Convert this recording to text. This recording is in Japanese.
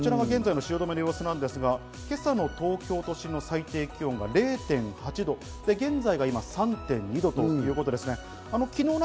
こちら現在の汐留の様子なんですが、今朝の東京都心の最低気温が０．８度、現在３．２度ということですね。